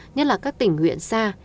nhất là các tỉnh huyện xa